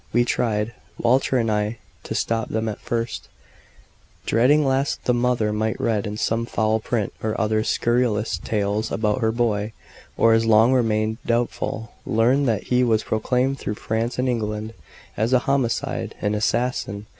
We tried, Walter and I, to stop them at first, dreading lest the mother might read in some foul print or other scurrilous tales about her boy; or, as long remained doubtful, learn that he was proclaimed through France and England as a homicide an assassin.